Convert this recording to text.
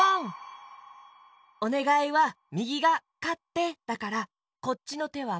おねがいはみぎが「かって」だからこっちのてはパー！